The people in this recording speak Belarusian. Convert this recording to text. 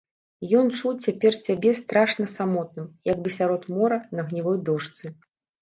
Ён чуў цяпер сябе страшна самотным, як бы сярод мора на гнілой дошцы.